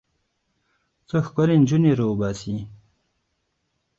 څو ښکلې نجونې راوباسي.